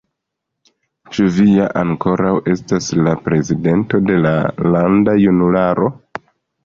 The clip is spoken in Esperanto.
Ĉu vi ja ankoraŭ estas la prezidento de la landa junularo?